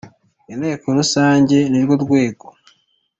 Inteko rusange nirwo rwego